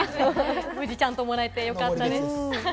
無事ちゃんともらえてよかったです。